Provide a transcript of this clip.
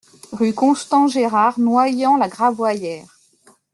Rue Constant Gérard, Noyant-la-Gravoyère